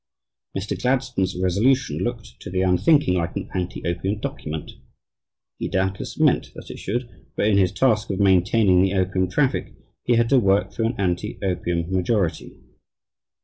Mr. Gladstone's resolution looked, to the unthinking, like an anti opium document. He doubtless meant that it should, for in his task of maintaining the opium traffic he had to work through an anti opium majority.